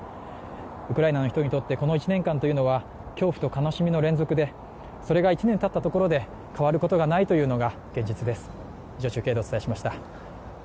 ウクライナの人にとってこの１年間というのは恐怖と悲しみの連続でそれが１年たったところで変わることがないというのが現実です。